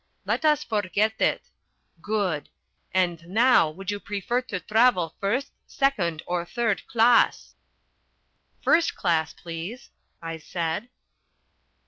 Let us forget it. Good! And, now, would you prefer to travel first, second, or third class?" "First class please," I said.